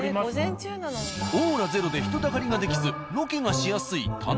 オーラゼロで人だかりが出来ずロケがしやすい田中。